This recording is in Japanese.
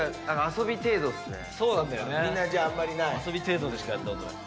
遊び程度でしかやったことない。